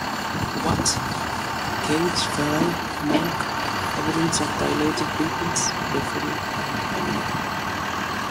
What?, Cage, Pharoahe Monch, Evidence of Dilated Peoples, Defari and Eminem.